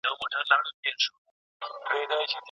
څنګه کولای سو د ژوند کچه د ټولو لپاره په مساوي توګه لوړه کړو؟